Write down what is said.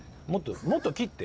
もっと切って。